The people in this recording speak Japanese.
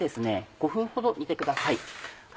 ５分ほど煮てください。